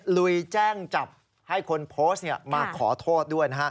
ลุยแจ้งจับให้คนโพสต์มาขอโทษด้วยนะฮะ